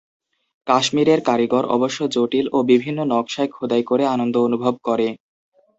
কাশ্মীরের কারিগর অবশ্য জটিল ও বিভিন্ন নকশায় খোদাই করে আনন্দ অনুভব করে।